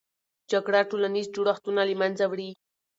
جګړه ټولنیز جوړښتونه له منځه وړي.